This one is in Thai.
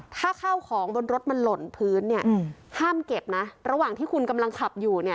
ถ้าข้าวของบนรถมันหล่นพื้นเนี่ยห้ามเก็บนะระหว่างที่คุณกำลังขับอยู่เนี่ย